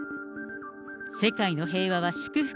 世界の平和は祝福